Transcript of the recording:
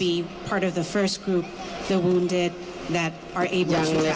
ยังไงครับ